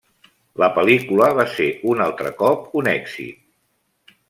La pel·lícula va ser un altre cop un èxit.